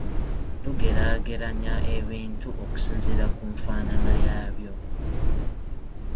Tugeraageranya ebintu okusinziira ku nfaanana yaabyo.